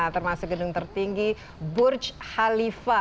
termasuk gedung tertinggi burj khalifa